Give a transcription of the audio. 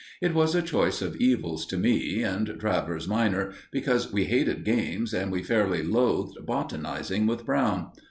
It was a choice of evils to me and Travers minor, because we hated games and we fairly loathed botanizing with Brown.